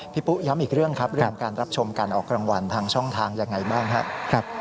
ปุ๊ย้ำอีกเรื่องครับเรื่องของการรับชมการออกรางวัลทางช่องทางยังไงบ้างครับ